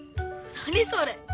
何それ？